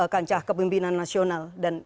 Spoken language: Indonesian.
kancah kepimpinan nasional dan